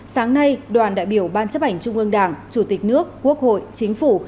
sáng nay đoàn đại biểu ban chấp hành trung ương đảng chủ tịch nước quốc hội chính phủ